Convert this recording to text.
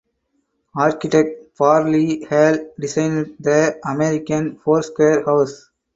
Architect Perley Hale designed the American Foursquare house.